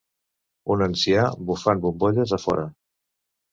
Un ancià bufant bombolles a fora.